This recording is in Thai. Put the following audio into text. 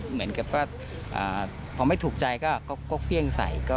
เหมือนกับว่าขอไม่ถูกใจก็เพี้ยงใส